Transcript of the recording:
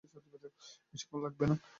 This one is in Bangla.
বেশীক্ষণ লাগবে না।